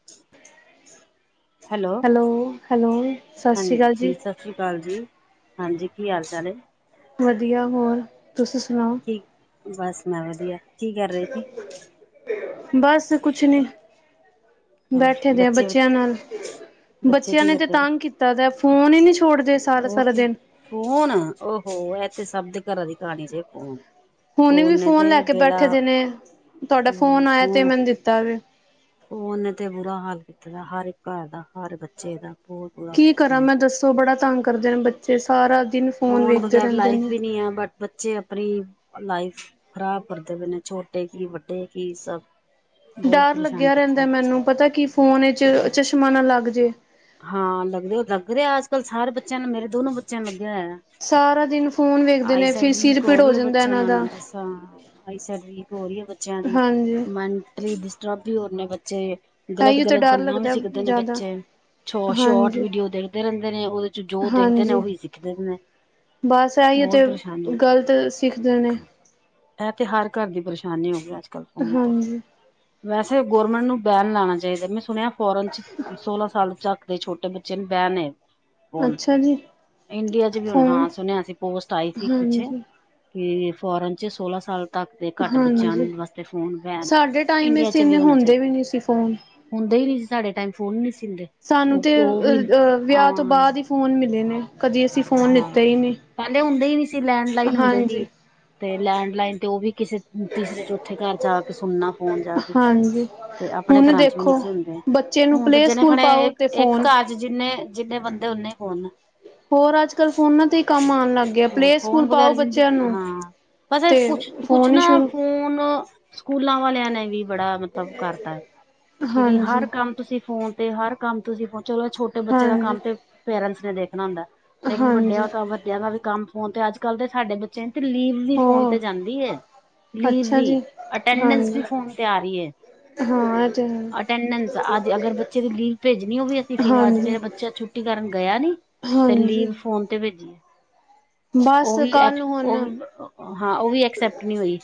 [inaudible] Hello -hello, ਸਤਿ ਸ਼੍ਰੀ ਅਕਾਲ ਹਾਂਜੀ ਜੀ। ਸਤਿ ਸ਼੍ਰੀ ਅਕਾਲ ਜੀ, ਹਾਂਜੀ ਕੀ ਹਾਲ ਚਾਲ ਹੈ? ਵਧੀਆ ਹੋਰ ਤੁਸੀਂ ਸੁਣਾਓ ਠੀਕ, ਬਸ ਮੈਂ ਵਧੀਆ ਕੀ ਕਰ ਰਹੇ ਸੀ? ਬਸ ਕੁਛ ਨੀ, ਬੈਠੇ ਦੇ ਆਂ ਬੱਚੇ ਬੱਚਿਆਂ ਨਾਲ। ਬੱਚੇ ਬੱਚਿਆਂ ਕੀ ਨੇ ਤੇ ਕਰਦੇ ਤੰਗ ਪਏ ਕੀਤਾ ਦੈ, ਫੋਨ ਈ ਨੀ ਛੋੜਦੇ ਉਹ ਸਾਰਾ-ਸਾਰਾ ਕਿਉਂ ਦਿਨ। ਫੋਨ! ਓ ਹੋ, ਐ ਤੇ ਸਭ ਦੇ ਘਰਾਂ ਦੀ ਕਹਾਣੀ ਜੇ ਫੋਨ। ਹੁਣ ਵੀ ਨੇ ਫੋਨ ਲੈ ਤੇ ਕੇ ਬੈਠੇ ਬੇੜਾ ਦੇ ਨੇ, ਤੁਆਡਾ ਫੋਨ ਆਇਆ ਤੇ ਫੋ ਮੈਨੂੰ ਦਿੱਤਾ ਨੇ। ਫੋਨ ਨੇ ਤੇ ਬੁਰਾ ਹਾਲ ਕੀਤਾ ਦਾ ਹਰ ਇੱਕ ਘਰ ਦਾ, ਹਰ ਬੱਚੇ ਦਾ। ਬਹੁਤ ਬੁਰਾ ਕੀ ਕਰਾਂ ਹਾਲ ਮੈਂ ਦੱਸੋ, ਬੜਾ ਤੰਗ ਕਰਦੇ ਨੇ ਬੱਚੇ। ਸਾਰਾ ਦਿਨ ਫੋਨ ਵੇਖਦੇ ਰੈਂਦੇ ਨੇ। ਨੀਆਂ ਬਟ ਬੱਚੇ ਆਪਣੀ ਲਾਈਫ ਖਰਾਬ ਕਰਦੇ ਪਏ ਨੇ ਛੋਟੇ ਕੀ, ਵੱਡੇ ਕੀ ਸਭ। ਬਹੁਤ ਡਰ ਪਰੇਸ਼ਾਨ ਲੱਗਿਆ ਕੀਤਾ ਰੈਂਦੈ ਮੈਨੂੰ, ਬੱਚਿਆਂ ਪਤਾ ਕੀ ਫੋਨ ਇਚ ਚਸ਼ਮਾ ਨਾ ਲੱਗ ਜੇ। ਹਾਂ ਲੱਗਦੇ-ਲੱਗ ਰੇ ਅੱਜ-ਕੱਲ੍ਹ ਸਾਰੇ ਬੱਚਿਆਂ ਨੂੰ, ਮੇਰੇ ਦੋਨੋ ਬੱਚਿਆਂ ਨੂੰ ਲੱਗਿਆ ਹੋਐ। ਸਾਰਾ ਦਿਨ ਫੋਨ ਵੇਖਦੇ ਨੇ ਫਿਰ ਸਿਰ ਪੀੜ ਹੋ ਜਾਂਦੈ ਏਨਾਂ ਦਾ। ਤਾਂ ਆਈ ਸੈਡ ਵੀਕ ਹੋ ਰੀ ਐ ਬੱਚਿਆਂ ਦੀ, ਹਾਂਜੀ ਮੈਨ -ਟਲੀ ਡਿਸਟਰਬ ਵੀ ਹੋ ਰੇ ਨੇ ਬੱਚੇ, ਤਾਂਹੀਓ ਤਾਂ ਗ਼ਲਤ-ਗਲਤ ਡਰ ਗੱਲਾਂ ਵੀ ਲੱਗਦਾ ਸਿੱਖਦੇ ਨੇ ਜ਼ਿਆਦਾ ਬੱਚੇ। ਚੋ-ਸ਼ੋਰਟ ਹਾਂਜੀ ਵੀਡੀਓ ਦੇਖਦੇ ਰੈਂਦੇ ਨੇ, ਓਦੇ'ਚ ਜੋ ਦੇਖਦੇ ਨੇ ਹਾਂਜੀ ਓਹੀ ਸਿੱਖਦੇ ਨੇ। ਬਸ ਐਈਯੋ ਤੇ ਬਹੁਤ ਪਰੇਸ਼ਾਨੀ ਗ਼ਲਤ ਸਿੱਖਦੇ ਨੇ। ਐ ਤੇ ਘਰ ਦੀ ਪਰੇਸ਼ਾਨੀ ਹੋ ਗਈ ਅੱਜ-ਕੱਲ ਫੋਨ ਤੇ। ਹਾਂਜੀ ਵੈਸੇ ਗੌਰਰਮੈਂਟ ਨੂੰ ਬੈਨ ਲਾਣਾ ਚਾਈਦੈ। ਮੈਂ ਸੁਣਿਐ ਫੋਰਨ 'ਚ ਸੋਲਾਂ ਸਾਲ ਚੱਕ ਦੇ ਛੋਟੇ ਬੱਚੇ ਨ ਬੈਨ ਏ ਫ਼ੋਨ। ਅੱਛਾ ਜੀ ਇੰਡੀਆ ਚ ਵੀ ਹੁਣ, ਫੋਨ ਹਾਂ ਸੁਣਿਆ ਸੀ ਪੋਸਟ ਆਈ ਸੀ ਇਕ ਪਿੱਛੇ। ਹਾਂਜੀ ਕਿ ਫੋਰਨ 'ਚ ਸੋਲਾਂ ਸਾਲ ਤੱਕ ਤੇ ਘੱਟ ਬੱਚਿਆਂ ਹਾਂਜੀ ਨੰ-ਵਾਸਤੇ ਫੋਨ ਬੈਨ, ਸਾਡੇ ਟਾਈਮ ਇੰਡੀਆ ਵਿੱਚ ਚ ਵੀ ਇੰਨੇ ਹੋਣਾ ਹੁੰਦੇ ਚਾਹੀਦਾ। ਵੀ ਨਹੀਂ ਸੀ ਫੋਨ ਹੁੰਦਾ ਈ ਨੀਂ, ਸਾਡੇ ਟੈਮ ਫੋਨ ਨੀਂ ਸੀ ਹੁੰਦੇ। ਸਾਨੂੰ ਉਹ ਤੇ ਉਹ ਵੀ ਅ-ਯ-ਅ-ਵਿਆਹ ਤੋਂ ਹਾਂ ਬਾਦ ਹੀ ਫੋਨ ਮਿਲੇ ਨੇ, ਕਦੀ ਅਸੀਂ ਫੋਨ ਲਿੱਤਾ ਈ ਨੀ। ਪੈਲੇ ਹੁੰਦੇ ਈ ਨੀ ਸੀ, ਲੈਂਡਲਾਈਨ ਹੁੰਦੇ ਸੀ, ਤੇ ਲੈਂਡਲਾਈਨ ਤੇ ਓ ਵੀ ਕਿਸੇ ਤੀਸਰੇ-ਚੌਥੇ ਘਰ ਜਾ ਕੇ ਸੁਣਨਾ ਫੋਨ ਜਾ ਕੇ। ਹਾਂਜੀ ਤੇ ਆਪਣੇ ਹੁਣ ਘਰਾਂ ਚ ਵੀ ਨੀਂ ਦੇਖੋ ਸੀ ਹੁੰਦੇ। ਬੱਚੇ ਨੂੰ ਹੁਣ ਤੇ ਪਲੇ ਸਕੂਲ ਜਣੇ-ਖਣੇ ਪਾਓ ਇੱਕ- ਤੇ ਇਕ ਫੋਨ ਘਰ 'ਚ ਚ ਜਿੰਨੇ-ਜਿੰਨੇ ਬੰਦੇ ਉਂਨੇ ਈ ਫੋਨ ਨੇ। ਹੋਰ ਅੱਜ-ਕੱਲ੍ਹ ਫੋਨਾਂ ਤੇ ਈ ਕੰਮ ਆਣ ਲੱਗ ਗਿਆ। ਹਾਂ ਪਲੇ ਸਕੂਲ ਫੋਨ ਪਾਓ ਵਗੈਰਾ ਬੱਚਿਆਂ ਜ਼ਿੰਦਗੀ ਨੂੰ ਹਾਂ ਬਸ ਏ ਤੇ ਕੁਛ-ਕੁਛ ਫੋਨ ਹੀ ਨਾ ਸ਼ੁਰੂ ਫੋਨ ਸਕੂਲਾਂ ਵਾਲਿਆਂ ਨੇ ਵੀ ਬੜਾ ਮਤਲਬ ਕਰਤਾ ਕਿ ਵੀ ਹਾਂਜੀ ਹਰ ਕੰਮ ਤੁਸੀਂ ਫੋਨ ਤੇ, ਹਰ ਕੰਮ ਤੁਸੀਂ ਪਹੁੰ ਚਲੋ ਛੋਟੇ ਬੱਚੇ ਦਾ ਹਾਂਜੀ ਕੰਮ ਤੇ ਪੇਰੈਂਟਸ ਨੇ ਦੇਖਣਾ ਹੁੰਦੈ, ਲੇਕਿਨ ਹਾਂਜੀ ਵੱਡਿਆਂ ਕੰਮ ਜਾਂਦਾ ਵੀ ਕੰਮ ਫੋਨ ਤੇ, ਅੱਜ ਕੱਲ ਤੇ ਸਾਡੇ ਬੱਚਿਆਂ ਦੀ ਤੇ ਲੀਵ ਵੀ ਫੋਨ ਤੇ ਹੋਰ ਜਾਂਦੀ ਏ। ਲੀਵ ਅੱਛਾ ਵੀ, ਜੀ ਅਟੈਂਡੈਂਸ ਵੀ ਫੋਨ ਤੇ ਆ ਰੀ ਏ। ਆਜਾ। ਅਟੈਂਡੈਂਸ ਅੱਜ ਅਗਰ ਬੱਚੇ ਦੀ ਲੀਵ ਭੇਜਣੀ ਹੋਵੇ ਅਸੀਂ ਫੀ ਅੱਜ ਹਾਂਜੀ ਮੇਰਾ ਬੱਚਾ ਛੁੱਟੀ ਕਰਨ ਗਿਆ ਨੀ? ਤੇ ਹਾਂਜੀ ਲੀਵ ਫੋਨ ਤੇ ਭੇਜੀਏ। ਓ ਬਸ ਵੀ ਕੱਲ ਐਪਸ, ਹੁਣ ਓ ਵੀ ਅ-ਅ-ਹਾਂ ਓ ਵੀ ਐਕਸੈਪਟ ਨੀ ਹੋਈ।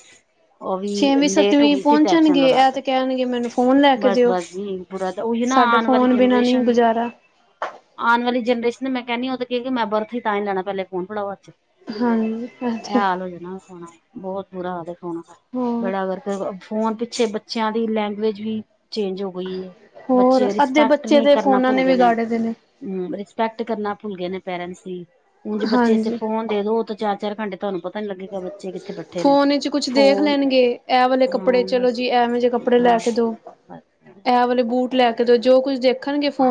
ਓ ਵੀ ਛੇਵੀਂ ਲੇਟ ਹੋ ਸੱਤਵੀਂ ਗਈ ਸੀ ਤੇ ਐਪਸੈਂਟ ਪਹੁੰਚਣਗੇ ਲਗਾ ਇਹ ਤਾ। ਤੇ ਕਹਿਣਗੇ ਮੈਨੂੰ ਫੋਨ ਲੈ ਕੇ ਬਸ ਦਿਓ ਬਸ ਜੀ। ਬੁਰਾ ਤਾਂ, ਓਹੀ ਨਾ ਸਾਡਾ ਆਣ ਵਾਲੀ ਫੋਨ ਬਿਨਾਂ ਨਹੀਂ ਜਨਰੇਸ਼ਨ ਗੁਜ਼ਾਰਾ ਆਣ ਵਾਲੀ ਜਨਰੇਸ਼ਨ ਮੈਂ ਕੈਨੀ ਆ ਓ ਤੇ ਕੇ ਗੀ ਮੈਂ ਬਰਥ ਈ ਤਾਂਈ ਲੈਣਾ ਪੈਲੇ ਫੋਨ ਫੜਾਓ ਹੱਥ 'ਚ। ਹਾਂਜੀ। ਇਹ ਐ ਤੇ ਹਾਲ ਹੋ ਜਾਣਾ, ਫੋਨ ਨਾਲ ਬਹੁਤ ਬੁਰਾ ਹਾਲ ਫੋਨਾ ਦਾ। ਹੋਰ ਬੇੜਾ ਗਰਕ! ਫੋਨ ਪਿੱਛੇ ਬੱਚਿਆਂ ਦੀ ਲੈਂਗੁਏਜ ਵੀ ਚੇਂਜ ਹੋ ਗਈ ਏ। ਹੋਰ ਬੱਚੇ ਅੱਧੇ ਰਿਸਪੈਕਟ ਬੱਚੇ ਨੀ ਤੇ ਕਰਨਾ ਫੋਨਾਂ ਭੁੱਲ ਗਏ ਨੇ। ਵਿਗਾੜੇ ਦੇ ਹੂੰ, ਰਿਸਪੈਕਟ ਕਰਨਾ ਭੁੱਲ ਗਏ ਨੇ ਪੇਰੈਂਟਸ ਦੀ। ਉਂਝ ਬੱਚੇ ਸੇ ਹਾਂਜੀ ਫੋਨ ਦੇ ਦੋ ਤਾਂ ਚਾਰ-ਚਾਰ ਘੰਟੇ ਤਾਨੂੰ ਪਤਾ ਨੀ ਲੱਗੇਗਾ ਬੱਚੇ ਕਿੱਥੇ ਬੈਠੇ ਨੇ ਫੋਨ ਵਿੱਚ ਕੁਛ ਦੇਖ ਫੋਨ ਲੈਣਗੇ ਇਹ ਵਾਲੇ ਕੱਪੜੇ ਹਾਂ ਚਲੋ ਬਸ ਜੀ ਐਵੇਂ ਜੇ ਕੱਪੜੇ ਹਾਂ ਲੈ ਕੇ ਦੋ, ਬਸ। ਐ ਵਾਲੇ ਬੂਟ ਲੈ ਕੇ ਦੋ, ਜੋ ਕੁਝ ਦੇਖ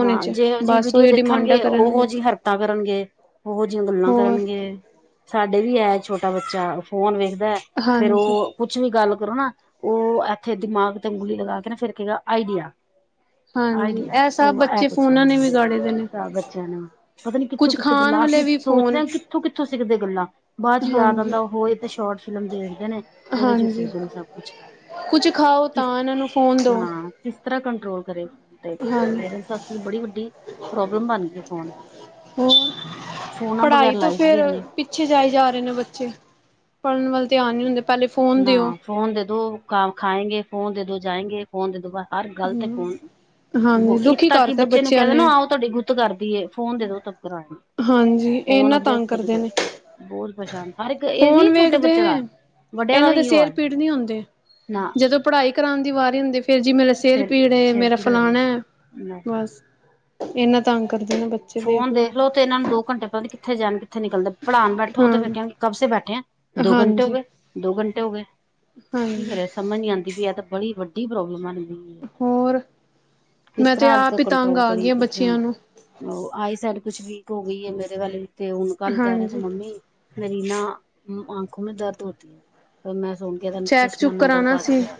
ਹਾਂ, ਜਿਹੋ ਜਿ ਵੀਡੀਓ ਦੇਖਨਗੇ ਕਰਨਗੇ। ਉਹੋ ਜੀ ਹਰਕਤਾਂ ਕਰਨਗੇ। ਉਹੋ ਜਿਆਂ ਗੱਲਾਂ ਹੋਰ ਕਰਨਗੇ। ਸਾਡੇ ਵੀ ਹੈ ਛੋਟਾ ਬੱਚਾ ਫੋਨ ਵੇਖਦਾ ਏ ਫੇਰ ਓ ਹਾਂਜੀ ਕੁਛ ਵੀ ਗੱਲ ਕਰੋ ਨਾ ਓ ਏਥੇ ਦਿਮਾਗ ਤੇ ਉਂਗਲੀ ਲਗਾ ਨਾ ਫੇਰ ਕਏਗਾ ਆਈਡੀਆ। ਹਾਂਜੀ ਐਸ ਓ ਐ ਕੁਛ ਹਾਂ ਤਾ ਬੱਚਿਆਂ ਨੇ ਪਤਾ ਨੀ ਕਿੱਥੋਂ- ਕੁੱਝ ਕਿੱਥੋਂ ਗ ਖਾਣ ਲਾਸਟ ਵੇਲੇ ਵਿੱਚ ਵੀ ਫੋਨ ਸੋਚਦੇ ਨ। ਕਿਥੋਂ -ਕਿੱਥੋਂ ਸਿੱਖਦੇ ਗੱਲਾਂ ਬਾਅਦ ਚ ਯਾਦ ਹਾਂਜੀ ਆਂਦਾ ਓਹੋ ਐ ਤੇ ਸ਼ੋਰਟ ਫਿਲਮ ਦੇਖਦੇ ਨੇ ਉਦੇ ਚ ਸਿੱਖਦੇ ਨੇ ਸਬ ਕੁਛ ਕੁਝ ਖਾਓ ਕਿਸ ਤਾਂ ਏਨਾਂ ਨੂੰ ਫੋਨ ਦਓ। ਹਾਂ ਕਿਸ ਤਰ੍ਹਾ ਕੰਟਰੋਲ ਕਰੇ। ਤੇ ਪੇਰੈਂਟਸ ਵਾਸਤੇ ਬੜੀ ਵੱਡੀ ਪ੍ਰੋਬਲਮ ਬਨ ਗਈ ਫੋਨ ਹੋਰ ਫੋਨਾ ਬਗੈਰ ਪੜ੍ਹਾਈ ਤੋਂ ਲਾਈਫ ਵੀ ਫੇਰ ਹੈਨੀ। ਪਿੱਛੇ ਜਾਏ ਜਾ ਰਏ ਨੇ ਬੱਚੇ ਪੜ੍ਹਨ ਵੱਲ ਧਿਆਨ ਨੀ ਹੁੰਦੇ। ਪਹਿਲੇ ਫੋਨ ਨਾ ਦਿਓ ਫੋਨ ਦੇ ਦੋ ਕਾ ਖਾਏਂਗੇ, ਫੋਨ ਦੇ ਦੋ ਜਾਏਂਗੇ। ਫ਼ੋਨ ਦੇ ਦੋ ਬਾ ਹਰ ਗੱਲ ਤੇ ਫ਼ੋਨ ਹਾਂਜੀ ਏ ਦੁਖੀ ਤਾ ਕਿ ਕਰਤਾ ਬੱਚੇ ਨੂੰ ਬੱਚਿਆਂ ਕੈ ਦੋ ਨੇ ਨਾ ਆਓ ਤਾਡੀ ਗੁ ਤ ਕਰ ਦੀਏ ਫ਼ੋਨ ਦੇ ਦੋ ਤਬ [unintelligible] ਹਾਂਜੀ ਫੋਨ ਏਨਾਂ ਅੱਗੇ ਤੰਗ ਰੱਖੋ ਤੇ ਕਰਦੇ ਨੇ ਬਹੁਤ ਪਰੇਸ਼ਾਨ ਹਰ ਇੱਕ ਇਹ ਨੀ ਫ਼ੋਨ ਛੋਟੇ ਵੇਖਦੇ ਬੱਚੇ ਦਾ ਵੱਡਿਆਂ ਦਾ ਇਨਾਂ ਦੇ ਵੀ ਇਹੋ ਸਿਰ ਹਾਲ ਪੀੜ ਨ੍ਹੀ ਹੁੰਦੇ ਨਾ ਜਦੋਂ ਪੜ੍ਹਾਈ ਕਰਾਨ ਦੀ ਵਾਰੀ ਹੁੰਦੀ ਫ਼ੇਰ ਜੀ ਮੇਰਾ ਸਿਰ ਪੀੜ ਏ ਸਿਰ ਮੇਰਾ ਪੀੜ ਹੋ ਰਹੀ ਫਲਾਨਾ ਏ ਬਸ ਏਨਾ ਤੰਗ ਕਰਦੇ ਨੇ ਬੱ ਫ਼ੋਨ ਦੇਖ ਲੋ ਤੇ ਇਨਾਂ ਨੂੰ ਦੋ ਘੰਟੇ ਪਤਾ ਨੀ ਕਿੱਥੇ ਜਾਨ, ਕਿੱਥੇ ਨਿਕਲਦੇ ਪੜ੍ਹਾਨ ਬੈਠੋ ਤੇ ਹਾਂ ਫ਼ਿਰ ਕੈਨਗੇ ਕਬਸੇ ਬੈਠੇ ਐਂ ਦੋ ਘੰਟੇ ਹੋ ਹਾਂਜੀ ਗਏ, ਦੋ ਘੰਟੇ ਹੋ ਗਏ ਕੀ ਹਾਂਜੀ ਕਰੈਸ ਸਮਝ ਨੀ ਆਂਦੀ ਪਈ ਐ ਤਾ ਬੜੀ ਵੱਡੀ ਪ੍ਰੋਬਲਮ ਬਨਗੀ ਹੋਰ ਕਿਸ ਮੈਂ ਤੇ ਤਰ੍ਹਾਂ ਅੱਜ ਆਪ ਹੀ ਤੰਗ ਕੰਟਰੋਲ ਆ ਗਈ ਕਰੀਏ ਆ [unintelligible] ਬੱਚਿਆਂ ਨੂੰ ਓ ਆਈ ਸਾਈਡ ਕੁਛ ਵੀਕ ਹੋ ਗਈ ਏ ਮੇਰੇ ਵਾਲੇ ਦੀ ਤੇ ਹੁਣ ਕੱਲ ਕੈ ਰਿਆ ਸੀ ਹਾਂਜੀ ਮੰਮੀ ਮੇਰੀ ਨਾ ਆਂਖੋ ਮੇ ਦਰਦ ਹੋਤੀ ਹੈ ਫੇਰ ਮੈ ਹੁਨ ਕੀ ਤੈਨੂੰ ਚੈੱਕ ਚਸ਼ਮਾ ਚੁੱਕ ਨੰਬਰ ਕਰਾਣਾ ਵੱਧ ਸੀ ਗਿਆ।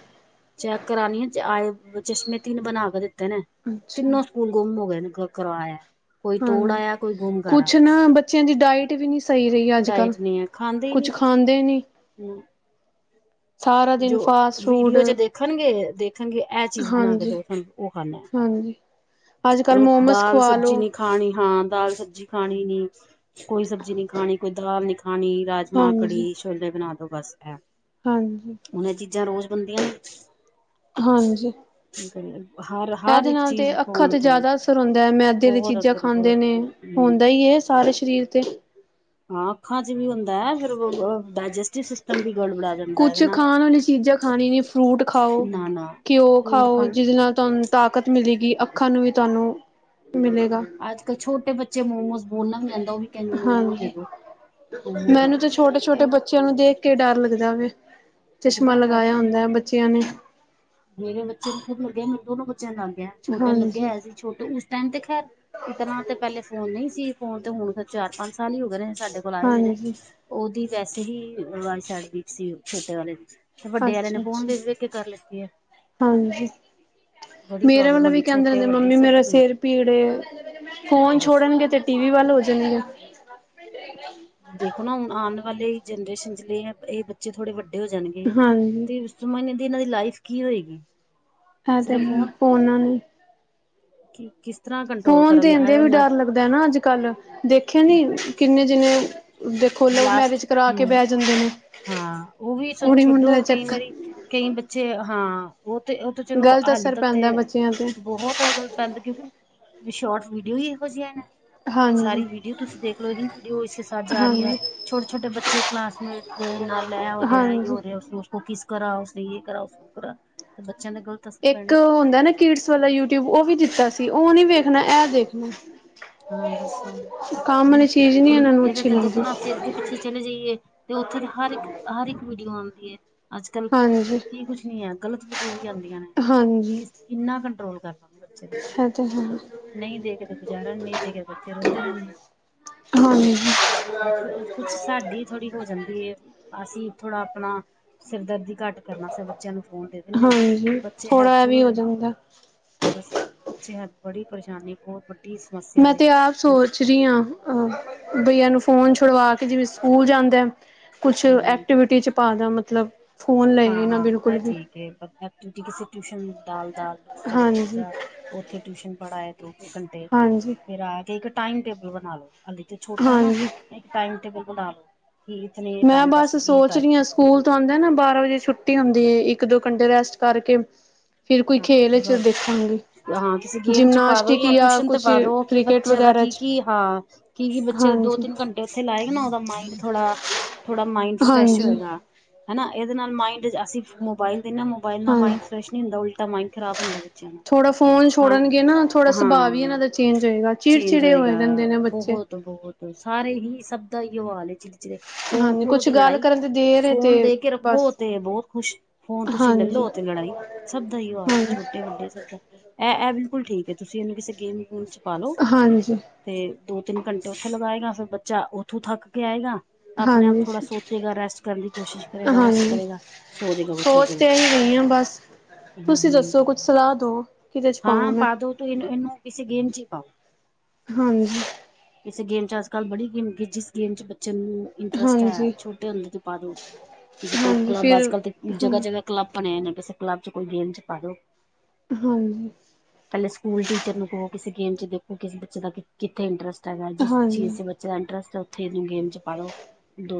ਚੈੱਕ ਕਰਾਨੀ ਆ ਚ ਆਏ ਚਸ਼ਮੇ ਤਿੰਨ ਬਣਾ ਕੇ ਦਿੱਤੇ ਨੇ ਅੱਛਾ ਤਿੰਨੋਂ ਕੂਲ ਗੁੰਮ ਹੋ ਗਏ ਨੇ ਕੋ ਕਰਵਾਇਐ ਹਾਂਜੀ, ਕੁਛ ਨਾ ਬੱਚਿਆਂ ਦੀ ਡਾਇਟ ਸਈ ਵੀ ਏ ਅੱਜ ਕੱਲ੍ਹ ਡਾਇਟ ਨਹੀਂ ਹੈ ਖਾਂਦੇ ਹੀ ਕੁਛ ਨਹੀਂ ਖਾਂਦੇ ਨੀ। ਸਾਰਾ ਦਿਨ ਜੋ ਫਾਸਟ ਫੂਡ ਵੀਡੀਓ ਚ ਦੇਖਨਗੇ, ਦੇਖਨਗੇ ਐ ਚੀਜ ਬਨਾ ਕੇ ਹਾਂਜੀ ਦੋ ਸਾਨੂੰ ਓ ਖਾਨਾ ਹਾਂਜੀ ਅੱਜ ਕੱਲ੍ਹ ਮੋਮਸ ਦਾਲ ਖਵਾ ਸਬਜੀ ਲੋ ਨੀ ਖਾਂ ਖਾਣੀ ਹਾਂ ਦਾਲ ਸਬਜੀ ਖਾਣੀ ਨੀ ਕੋਈ ਸਬਜੀ ਨੀ ਖਾਣੀ ਕੋਈ ਦਾਲ ਨੀ ਖਾਣੀ ਰਾਜ ਮਾਂਹ, ਹਾਂਜੀ ਕੜੀ, ਛੋਲੇ ਬਣਾ ਦੋ ਬਸ ਐ ਹਾਂਜੀ ਐ ਚੀਜਾਂ ਰੋਜ ਬਨਦੀਆਂ ਨੀ ਹਾਂਜੀ ਹਰ, ਹਰ ਇਹਦੇ ਇੱਕ ਨਾਲ ਤੇ ਚੀਜ ਅੱਖਾਂ ਤੇ ਜਆਦਾ ਅਸਰ ਹੁੰਦੈ, ਮੈਦੇ ਦੀਆਂ ਚੀਜਾਂ ਅਸਰ ਖਾਂਦੇ ਬਹੁਤ ਨੇ ਅਸਰ ਹੂੰ। ਹੁੰਦਾ ਈ ਏ ਸਾਰੇ ਸ਼ਰੀਰ ਤੇ ਹਾਂ, ਅੱਖਾਂ ਚ ਵੀ ਹੁੰਦਾ ਐ ਫਿ ਡਾਇਜੈਸਟੀ ਸਿਸਟਮ ਵੀ ਗੜਬੜਾ ਜਾਂਦੈ ਏਦੇ ਕੁਛ ਨਾਲ ਖਾਣ ਵਾਲੀ ਚੀਜ਼ਾਂ ਖਾਣੀ ਨੀ ਫਰੂਟ ਖਾਓ ਨਾ -ਨਾ ਘਿਓ ਫਰੂਟ ਖਾਓ ਖਾਣ ਜਿਹਦੇ ਨਾਲ਼ ਤੁਹਾਨ ਤਾਕਤ ਮਿਲੇਗੀ ਅੱਖਾਂ ਨੂੰ ਵੀ ਤੁਹਾਨੂੰ ਮਿਲੇਗਾ ਅੱਜ ਕੱਲ੍ਹ ਛੋਟੇ ਬੱਚੇ ਮੋਮੋਸ ਬੋਲਨਾ ਵੀ ਨ੍ਹੀਂ ਆਂਦਾ ਉਹ ਵੀ ਕਹਿੰਦੇ ਮੋਮੋ ਦੇ ਹਾਂਜੀ ਦੋ ਮੋਮੋਸ ਦੇ ਮੈਨੂੰ ਤੇ ਦੋ ਛੋਟੇ ਛੋਟੇ ਇਹ ਬੱਚੇਆਂ ਨੂੰ ਦੇਖ ਕੇ ਡਰ ਲੱਗਦਾ ਵੇ ਚਸ਼ਮਾ ਲੱਗਦਾ ਲਗਾਇਆ ਡਰ ਹੁੰਦਾ ਬੱਚੇਆਂ ਨੇ ਮੇਰੇ ਬੱਚੇਆਂ ਨੂੰ ਖੁਦ ਲੱਗਿਆਂ ਮੈਨੂੰ ਦੋਨੋਂ ਬੱਚੇਆਂ ਨੂੰ ਲੱਗ ਗਿਆ ਛੋਟੇ ਨ ਲੱਗਿਆ ਹਾਂਜੀ ਆ ਸੀ ਛੋਟੇ ਉਸ ਟੈਮ ਤੇ ਖ਼ੈਰ ਇਤਰ੍ਹਾਂ ਤੇ ਪਹਿਲੇ ਫ਼ੋਨ ਨਹੀਂ ਸੀ ਫ਼ੋਨ ਤੇ ਹੁਣ ਚਾਰ ਪੰਜ ਸਾਲ ਹੀ ਹੋ ਗਏ ਨੇ ਸਾਡੇ [unintelligible] ਹਾਂਜੀ [unintelligible] ਤੇ ਵੱਡੇ ਆਲੇ ਨੇ ਅੱਛਾ ਫ਼ੋਨ ਅੱਛਾ ਦੇ ਵੇਖ ਵੇਖ ਕੇ ਕਰ ਲਿੱਤੀ ਐ ਹਾਂਜੀ। ਮੇਰੇ ਪ੍ਰੋਬਲਮ ਹੁਣ ਵੀ ਬਣੀ ਕਹਿੰਦੇ ਛੋਟੇ ਰਹਿੰਦੇ ਵੱਡੇ ਮੰਮੀ ਸਭ ਦੀ ਮੇਰਾ ਬਣੀ ਸਿਰ ਪੀੜ ਏ ਫ਼ੋਨ ਦੱਸ ਛੋੜਨਗੇ ਤੇ ਟੀ ਵੀ ਵੱਲ ਹੋ ਜਾਨਗੇ। ਦੇਖੋਂ ਨਾ ਹੁਨ ਆਨ ਵਾਲੇ ਜੇਨਰੇਸ਼ਨ ਚ ਇਹ ਬੱਚੇ ਥੋੜ੍ਹੇ ਵੱਡੇ ਹੋ ਹਾਂਜੀ ਜਾਨਗੇ ਸਮਝ ਨੀ ਆਂਦੀ ਇਹਨਾਂ ਦੀ ਲਾਈਫ ਕੀ ਹੋਏਗੀ [unintelligible] [unintelligible] ਕਿ ਕਿਸ ਤਰ੍ਹਾਂ ਕੰਟਰੋਲ ਆ ਨਾ [unintelligible] ਦਾ ਨਾ ਅੱਜ ਕੱਲ੍ਹ ਦੇਖਿਆਂ ਨੀ ਕਿੰਨੇ ਜਿੰਨੇ ਦੇਖੋਂ ਲਵ ਬਲਾਸਟ ਮੈਰਿਜ ਕਰਾ ਕੇ ਹਮ ਬਹਿ ਜਾਂਦੇ ਨੇ ਹਾਂ ਉਹ ਵੀ ਕੁੜੀ ਮੁੰਡੇ ਛੱਡੋ ਦਾ ਕਈ ਚੱਕਰ ਵਾਰੀ ਕਈ ਬੱਚੇ ਹਾਂ ਉਹ ਤੇ ਉਹ ਤੇ ਚਲੋ ਗ਼ਲਤ ਹਾਲੀ ਅਸਰ ਤੱਕ ਤੇ ਪੈਂਦਾ ਬੱਚਿਆਂ ਤੇ ਬੋਹਤ ਗਲ ਪੈਂਦਾ ਕਿਉਂਕਿ ਸ਼ੋਰਟ ਵੀਡੀਓ ਹੀ ਇਹੋ ਜਿਆਂ ਨੇ। [unintelligible] ਹਾਂਜੀ ਸਾਰੀ ਵੀਡੀਓ ਤੁਸੀਂ ਦੇਖਲਓ ਇਹੀ ਵੀਡੀਓ ਇਸ ਕੇ ਸਾਥ ਜਾ ਰਹੀ ਹੈ ਹਾਂਜੀ ਛੋਟੇ ਛੋਟੇ ਬੱਚੇ ਕਲਾਸ ਮੇ ਨਾਲ ਇਹ ਹੋ ਰਿਹਾ ਜੋ ਹਾਂਜੀ ਹੋ ਰਿਹਾ। ਉਸ ਨੇ ੳਸ ਕੋ ਕਿਸ ਕਰਾ ਉਸਨੇ ਯੇ ਕਰਾ ਉਸਨੇ ਵੋ ਕਰਾ ਤੇ ਬੱਚਿਆਂ ਦੇ ਗਲਤ ਏਕ ਹੁੰਦਾ ਨਾ ਕੀਡਸ ਵਾਲਾ ਯੂਟਿਊਬ ਉਹ ਵੀ ਦਿੱਤਾ ਸੀ। ਉਹ ਨੀ ਵੇਖਨਾ ਇਹ ਦੇਖਨਾ ਹਾਂ ਬਸ ਉਹ ਹਨ ਨੀ ਹੁਨ ਇਹਨਾਂ ਨੂੰ ਇਹਦੇ ਅੱਛੀ ਤੇ ਦੇਖੋ ਲੱਗਦੀ ਨਾ ਅਸੀਂ ਅੱਗੇ ਪਿਛ ਪਿੱਛੇ ਚਲੇ ਜਾਈਏ ਤੇ ਉੱਥੇ ਤਾਂ ਹਰ ਇੱਕ ਹਰ ਇੱਕ ਵੀਡੀਓ ਆਂਦੀ ਐ। ਅੱਜ ਕੱਲ ਹਾਂਜੀ ਕੀ ਕੁਛ ਨੀ ਹੈ ਗ਼ਲਤ ਵੀਡੀਓ ਵੀ ਆਂਦੀਆਂ ਨੇ ਹਾਂਜੀ ਕਿੰਨਾ ਕੰਟਰੋਲ ਕਰ ਇਹ ਤੇ ਹੈ ਨਹੀਂ ਦੇ ਕੇ ਤੇ ਗੁਜ਼ਾਰਾ ਨ [unintelligible] ਹਾਂਜੀ। ਬਸ ਕੁਛ ਸਾਡੀ ਥੋੜ੍ਹੀ ਹੋ ਜਾਂਦੀ ਏ। ਅਸੀਂ ਥੋੜਾ ਅਪਨਾ ਸਿਰ ਦਰਦੀ ਘੱਟ ਕਰਨ ਆਸਤੇ ਬੱਚਿਆਂ ਨੂੰ ਫੋਨ ਦੇ ਦਿੰਨੇ ਆ। ਹਾਂਜੀ ਬੱਚੇ ਥੋੜ੍ਹਾ ਇਹ ਹੈਪਚੁਅਲ ਵੀ ਹੋ ਜਾਂਦੇ। ਜਾਂਦਾ ਬਸ ਬੱਚੇ ਹੈ ਬੜੀ ਪਰੇਸ਼ਾਨੀ ਬੋਤ ਵੱਡੀ ਸਮੱਸਿਆ ਮੈਂ ਵੇ ਤੇ ਐ ਸੋਚ ਰਹੀ ਹਾਂ ਅ‌ ਬਈ ਇਹਨੂੰ ਫ਼ੋਨ ਛੁਡਵਾ ਕੇ ਜਿਵੇਂ ਸਕੂਲ ਜਾਂਦਾ ਕੁਛ ਹਮ ਐਕਟੀਵਿਟੀ ਚ ਪਾਦਾ ਮਤਲਬ ਫੋਨ ਲਏ ਨਾ ਬਿਲਕੁਲ ਵੀ ਐ ਕਿਸੇ ਟਿਊਸ਼ਨ ਦਾਲ ਦਾਲ ਤੋ ਚਲੋ ਹਾਂਜੀ ਬੱਚਾ ਉੱਥੇ ਟਿਊਸ਼ਨ ਪੜ੍ਹਾਏ ਤੂੰ [unintelligible] ਅੱਧੇ ਘੰਟੇ ਹਾਂਜੀ ਫੇਰ ਆ ਕੇ ਇੱਕ ਟਾਈਮ ਟੇਬਲ ਬਨਾ ਲੋ ਹਲੇ ਤੇ ਛੋਟਾ ਨਾ। ਹਾਂਜੀ ਟਾਈਮ ਟੇਬਲ ਬਨਾ ਦੋ ਕਿ ਇਤਨੇ ਮੈਂ ਟਾਈਮ ਬਸ ਯੇ ਸੋਚ ਟਾਈਮ ਰਹੀ ਹਾਂ ਮਿਲੇਗਾ। ਸਕੂਲ ਤੋਂ ਆਂਦੇ ਨਾ ਬਾਰਾਂ ਵਜੇ ਛੁੱਟੀ ਹੁੰਦੀ ਐ। ਇੱਕ ਦੋ ਘੰਟੇ ਰੈਸਟ ਕਰਕੇ ਫੇਰ ਕੋਈ ਹਾਂ ਖੇਲ ਤੇ ਇਚ ਬਾਅਦ ਦੇਖਾਂਗੀ। ਹਾਂ ਕਿਸੇ ਗੇਮ ਚ ਪਾ ਦੋ ਜਿਮਨਾਸਟਿਕ ਯਾ ਜਾਂ ਟਿਊਸ਼ਨ ਤੇ ਕੁਛ ਪਾ ਦੋ ਕਿ ਕ੍ਰਿਕਟ ਬੱਚੇਆਂ ਦਾ ਵਗੈਰਾ ਕੀ ਚ ਕੀ ਹਾਂ ਕਿਉਂਕਿ ਬੱਚਾ ਦੋ ਹਾਂਜੀ ਤਿੰਨ ਘੰਟੇ ਉਥੇ ਲਾਏਗਾ ਨਾ ਉਹਦਾ ਮਾਈੰਡ ਥੋੜਾ ਥੋੜਾ ਮਾਇੰਡ ਫਰੈਸ਼ ਹਾਂਜੀ ਹੋਏਗਾ ਹਨਾ ਇਹਦੇ ਨਾਲ ਮਾਇੰਡ ਅਸੀਂ ਮੋਬਾਇਲ ਦੇ ਨਾ ਮੋਬਾਈਲ ਨਾਲ ਹਾਂਜੀ ਮਾਇੰਡ ਫਰੈਸ਼ ਨੀ ਹੁੰਦਾ ਉਲਟਾ ਮਇੰਡ ਖਰਾਬ ਥੋੜਾ ਫੋਨ ਛੋੜਨਗੇ ਨਾ ਥੋੜਾ ਸੁਭਾਅ ਵੀ ਇਹਨਾਂ ਹਾਂ ਦਾ ਚੇਂਜ ਹੋਏਗਾ। ਚੇਂਜ ਚਿੜਚਿੜੇ ਹੋਏਗਾ ਹੋਏ ਰਹਿੰਦੇ ਨੇ ਬੱਚੇ। ਬਹੁਤ ਸਾਰੇ ਹੀ ਸਭ ਦਾ ਹੀ ਇਹੋ ਹਾਲ ਏ ਚਿੜਚਿੜੇ ਫ਼ੋਨ ਹਾਂਜੀ ਖੋ ਲਉ ਕੁਛ ਤੇ ਗੱਲ ਲੜਾਈ ਕਰਨ ਤੇ ਦੇਰ ਏ ਤੇ ਫੋਨ ਦੇ ਕੇ ਬਸ ਰੱਖੋ ਤੇ ਬਹੁਤ ਖੁਸ਼ ਫੋਨ ਤੁਸੀਂ ਲੈ ਹਾਂਜੀ ਲੋ ਤੇ ਲੜਾਈ ਸਭ ਦਾ ਹੀ ਜੁਆਕ ਹਾਂਜੀ ਛੋਟੇ ਵੱਡੇ ਸਭ ਦਾ ਇਹ ਇਹ ਬਿਲਕੁਲ ਠੀਕ ਐ। ਤੁਸੀਂ ਇਹਨੂੰ ਕਿਸੇ ਗੇਮ ਗੂਮ ਚ ਪਾਾਲੋ ਹਾਂਜੀ ਤੇ ਦੋ ਤਿੰਨ ਘੰਟੇ ਉੱਥੇ ਲਗਾਏਗਾ। ਫਿਰ ਬੱਚਾ ਉੱਥੋਂ ਥੱਕ ਕੇ ਆਏਗਾ। ਆਪਣੇ ਆਪ ਹਾਂਜੀ ਥੋੜਾ ਸੋਚੇਗਾ ਰੈਸਟ ਕਰਨ ਦੀ ਕੋਸ਼ਿਸ਼ ਕਰੇਗਾ। ਰੈਸਟ ਕਰੇਗਾ ਸੌ ਜੇ ਗਾ ਬੱਚਾ ਜਲਦੀ ਹੀ ਆ ਬਸ ਤੁਸੀਂ ਹੂੰ ਦੱਸੋ ਕੁੱਛ ਸਲਾਹ ਦੋ ਕਿਹਦੇ ਚ ਪਾਵਾਂ ਮੈਂ ਦੋਤਰੇ ਨਾ ਇਹਨੂੰ ਕਿਸੇ ਗੇਮ ਚ ਹੀ ਪਾਓ। ਹਾਂਜੀ ਕਿਸੇ ਗੇਮ 'ਚ ਅਜ ਕੱਲ ਬੜੀ ਗੇਮ ਕਿ ਜਿਸ ਗੇਮ 'ਚ ਬੱਚੇ ਨੂੰ ਇੰਟਰਸਟ ਹੈ ਹਾਂਜੀ ਛੋਟੇ ਹੁੰਦੇ ਤੇ ਪਾ ਦੋ। ਕਿਸੇ ਕੋਈ ਹਾਂਜੀ ਕਲੱਬ ਅੱਜ ਫਿਰ ਕੱਲ੍ਹ ਤੇ ਜਗ੍ਹਾ ਹੂੰ ਜਗ੍ਹਾ ਕਲੱਬ ਬਣੇ ਨੇ ਕਿਸੇ ਕਲੱਬ ਚ ਕੋਈ ਗੇਮ ਚ ਪਾ ਦੋ ਹਾਂਜੀ ਪਹਿਲੇ ਸਕੂਲ ਟੀਚਰ ਨੂੰ ਕਹੋ ਕਿਸੇ ਗੇਮ ਚ ਦੇਖੋ। ਕਿਸੇ ਬੱਚੇ ਦਾ ਕਿੱਥੇ ਇੰਟਰਸਟ ਜਿਸ ਚੀਜ਼ ਹਾਂਜੀ ਚ ਬੱਚੇ ਦਾ ਇੰਟਰਸਟ ਉਥੇ ਇਹਨੂੰ ਗੇਮ ਚ ਪਾਲੋ।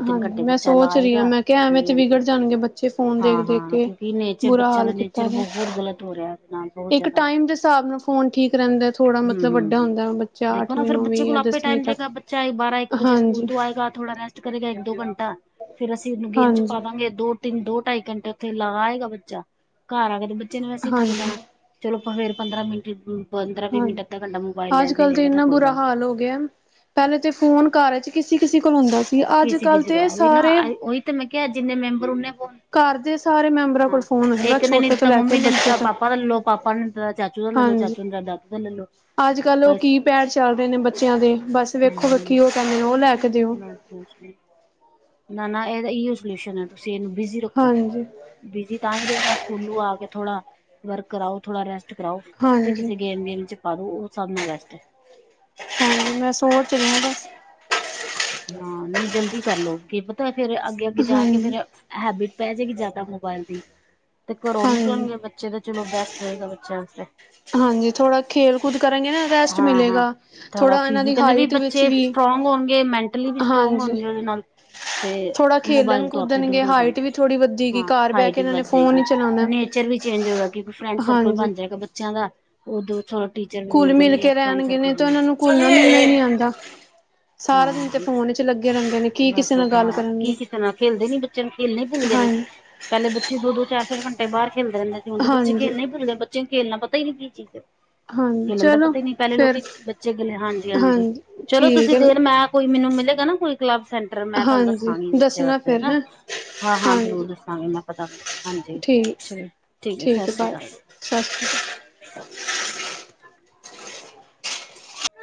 ਹਾਂਜੀ ਮੈਂ ਸੋਚ ਰਹੀ ਹਾਂ ਮੈਂ ਕਿਹਾ ਐਵੇਂ ਤੇ ਹਾਂਜੀ ਵਿਗੜ ਜਾਣਗੇ। ਬੱਚੇ ਫੋਨ ਦੇਖ ਹਾਂ ਦੇਖ ਹਾਂ ਕੇ ਕਿਉਂਕਿ ਨੇਚਰ ਬੁਰਾ ਬੱਚਿਆਂ ਹਾਲ ਦਾ ਕੀਤਾ ਨੇਚਰ ਬਹੁਤ ਗਲਤ ਹੋ ਰਿਹਾ ਇਸ ਤਰ੍ਹਾਂ ਇੱਕ ਟਾਈਮ ਦੇ ਹਿਸਾਬ ਨਾਲ ਫੋਨ ਠੀਕ ਰਹਿੰਦਾ ਥੋੜ੍ਹਾ ਮਤਲਬ ਵੱਡਾ ਹੁੰਦਾ। ਬੱਚਾ ਅੱਠਵੀਂ ਨੌਵੀਂ ਜਾਂ ਦਸਵੀਂ ਤੱਕ ਚਾਹੇ ਬਾਰਾਂ ਇੱਕ ਵਜੇ ਸਕੂਲ ਹਾਂਜੀ, ਤੋਂ ਆਏਗਾ। ਥੋੜਾ ਰੈਸਟ ਕਰੇਗਾ ਇੱਕ ਦੋ ਘੰਟਾ ਫੇਰ ਅਸੀਂ ਉਨੂੰ ਗੇਮ ਚ ਹਾਂਜੀ, ਪਾਵਗੇ। ਦੋ ਤਿੰਨ ਦੋ ਢਾਈ ਘੰਟੇ ਉੱਥੇ ਲਾ ਆਏਗਾ ਬੱਚਾ। ਘਰ ਆ ਕੇ ਤੇ ਬੱਚੇ ਨੇ ਵੈਸੇ ਥੱਕ ਹਾਂਜੀ, ਜਾਣਾ। ਚਲੋ ਫੇਰ ਪੰਦਰਾਂ ਮਿੰਟ ਪੰਦਰਾਂ ਵੀਹ ਮਿੰਟ ਹਾਂਜੀ। ਅੱਧਾ-ਘੰਟਾ ਮੋਬਾਇਲ ਲੈ ਅੱਜ ਲਵੇ ਕੱਲ੍ਹ ਤੇ ਲੇਣਾ ਤਾਂ ਇੰਨਾ ਕੋਈ ਬੁਰਾ ਗੱਲ ਨਹੀਂ ਹਾਲ ਹੋ ਗਿਆ ਪਹਿਲੇ ਤੇ ਫੋਨ ਘਰ ਚ ਕਿਸੀ-ਕਿਸੀ ਕੋਲ ਹੁੰਦਾ ਸੀ ਅੱਜ ਕਿਸੇ ਕੱਲ ਕਿਸੇ ਦਾ ਤੇ ਉਹੀ ਨਾ ਸਾਰੇ ਆਈ- ਉਹੀ ਤੇ ਮੈਂ ਕਿਹਾ ਜਿੰਨੇ ਮੈਂਬਰ ਉਹਨੇ ਫੋਨ ਘਰ ਦੇ ਸਾਰੇ ਮੈਂਬਰ ਹਾਂ ਇੱਕ ਨੇ ਨੀ ਦਿੱਤਾ ਮੰਮੀ ਨੇ ਨਈ ਦਿਤਾ ਤੱਕ ਪਾਪਾ ਦਾ ਲੈ ਲਉ ਪਾਪਾ ਨੇ ਨੀ ਦਿੱਤਾ ਚਾਚੂ ਦਾ ਲੈ ਲਉ ਹਾਂਜੀ। ਚਾਚੂ ਨੇ ਨਈ ਦਿੱਤਾ ਦਾਦੂ ਦਾ ਲੈ ਲਉ ਅੱਜ ਕੱਲ੍ਹ ਉਹ ਕੀ ਪੈੜ ਚੱਲ ਰਹੇ ਨੇ ਬੱਚਿਆਂ ਦੇ ਬਸ ਵੇਖੋ ਹਮ ਵੇਖੀ ਉਹ ਕਹਿੰਦੇ ਨੇ ਉਹ ਲੈ ਲਓ ਬਸ ਨਾ-ਨਾ ਇਹਦਾ ਇਉ ਸਲਿਊਸ਼ਨ ਹੈ ਤੁਸੀਂ ਇਹਨੂੰ ਬਿਜੀ ਰੱਖੋ ਹਾਂਜੀ, ਬਿਜੀ ਤਾਂ ਹੀ ਰਹੇਗਾ ਸਕੂਲੋਂ ਆ ਕੇ ਥੋੜਾ ਵਰਕ ਕਰਾਓ ਥੋੜਾ ਰੈਸਟ ਤੇ ਕਰਾਓ [unintelligible] ਤੇ ਹਾਂਜੀ, ਕਿਸੇ ਗੇਮ ਵੇਮ ਚ ਪਾ ਦੋ ਉਹ ਸਭ ਨਾਲ ਬੈਸਟ ਹੈ। ਹਾਂਜੀ ਮੈਂ ਸੋਚ ਰਹੀ ਆ ਬਸ ਹਾਂ ਨਹੀਂ ਜਲਦੀ ਕਰਲਓ [unintelligible] ਕੀ ਪਤਾ ਫਿਰ ਅੱਗੇ ਅੱਗੇ ਜਾ ਕੇ ਫਿਰ ਹਾਂਜੀ, ਹੈਬਿਟ ਪੈ ਜਾਏਗੀ ਜਿਆਦਾ ਮੋਬਾਇਲ ਦੀ [inaudible] ਤੇ ਘਰੋਂ ਹਾਂਜੀ, ਨਿਕਲਣਗੇ ਬ ਚਲੋ ਚਲੋ ਬੈਸਟ ਰਹੇਗਾ ਬੱਚਿਆਂ ਵਾਸਤੇ ਹਾਂਜੀ ਥੋੜ੍ਹਾ ਖੇਲ ਕੁੱਦ ਕਰਾਂਗੇ ਨਾ ਰੈਸਟ ਹਾਂ-ਹਾਂ ਮਿਲੇਗਾ [inaudible] ਥੋੜਾ ਥੋੜ੍ਹਾ ਇਹਨਾਂ ਦੀ ਫਿਜ਼ੀਕਲੀ ਵੀ ਹਾਈਟ ਵਿੱਚ ਬੱਚੇ ਵੀ ਸਟਰੋਂਗ ਹੋਣਗੇ ਮੈਂਟਲੀ ਵੀ ਸਟਰੋਂਗ ਹਾਂਜੀ ਹੋਣਗੇ ਉਹਦੇ ਨਾਲ। ਤੇ ਥੋੜਾ ਮੋਬਾਇਲ ਖੇਲਣ ਤੋਂ ਆਪੇ ਦੂਰ ਕੁਦਣਗੇ ਹੋ ਹਾਈਟ ਜਾਣਗੇ ਵੀ ਥੋੜ੍ਹੀ [inaudible] ਵੱਧੇਗੀ ਹਾਂ ਘਰ ਬਹਿ ਹਾਈਟ ਕੇ ਵੀ ਇਹਨਾਂ ਨੇ ਵੱਧ ਫੋਨ ਜਾਏਗੀ। ਹੀ ਚਲਾਉਣਾ ਨੇਚਰ ਵੀ ਚੇਂਜ ਹੋਗਾ ਕਿਉਂਕਿ ਫਰੈਂਡ ਸਰਕਲ ਹਾਂਜੀ ਬਣ ਜਾਏਗਾ ਬੱਚਿਆਂ ਦਾ ਉਦੋ ਟੀਚਰ ਵੀ ਘੁਲ ਮਿਲ ਜਾਣਗੇ ਕੇ ਫ੍ਰੇਂਡ ਰਹਿਣਗੇ ਨੇ ਤਾਂ ਸਰਕਲ ਇਹਨਾਂ ਨੂੰ 'ਚ ਘੁਲਣਾ ਮਿਲਣਾ ਹੀ ਨਹੀਂ [unintelligible] ਆਉਂਦਾ [unintelligible] ਸਾਰਾ ਦਿਨ ਤੇ ਫੋਨ 'ਚ ਲੱਗੇ ਰਹਿੰਦੇ ਨੇ ਕੀ ਬੱਸ ਹ ਕਿਸੇ ਨਾਲ ਗੱਲ [unintelligible] ਕੀ ਕਰਨਗੇ ਕਿਸੇ ਨਾਲ ਖੇਲਦੇ ਨੀ ਬੱਚੇ ਨੂੰ ਖੇਲਣੇ ਭੁੰਨ ਗਏ ਨੇ। ਹਾਂਜੀ ਪਹਿਲੇ ਬੱਚੇ ਦੋ-ਦੋ ਚਾਰ-ਚਾਰ ਘੰਟੇ ਬਾਹਰ ਖੇਲਦੇ ਰਹਿੰਦੇ ਸੀ। ਹੁਣ ਦੇ ਬੱਚੇ ਹਾਂਜੀ ਖੇਲਣਾ ਹੀ ਭੁੱਲ ਗਏ। ਬਚੇ ਖੇਲਣਾ ਪਤਾ ਹੀ ਨੀ ਕੀ ਚੀਜ਼ ਹੈ। [inaudible] ਹਾਂਜੀ ਖੇਲਣ ਦਾ ਚਲੋ ਪਤਾ ਹੀ ਨਹੀ ਪਹਿਲੇ ਫਿਰ ਲੋਕੀ ਬੱਚੇ ਗਲੀ ਹਾਂਜੀ-ਹਾਂਜੀ ਹਾਂਜੀ ਚਲੋ ਠੀਕ ਤੁਸੀਂ ਹੈ ਦੇਰ ਮੈਂ ਕੋਈ ਮੈਨੂੰ ਮਿਲੇਗਾ ਨਾ, ਕੋਈ ਕਲੱਬ ਸੈਂਟਰ ਮੈਂ ਤੁਆਨੂੰ ਹਾਂਜੀ ਦੱਸਾਂਗੀ ਬੱਚੇ ਦੱਸਣਾ ਵਾਸਤੇ ਫਿਰ ਹੈਨਾ। ਹੈਂ ਹਾਂ-ਹਾਂ ਜ਼ਰੂਰ ਹਾਂਜੀ ਦੱਸਾਂਗੇ ਮੈਂ ਪਤਾ ਫੇਰ ਹਾਂਜੀ ਠੀਕ ਐ ਸਾਸੀ ਕਾਲ। ਸਸ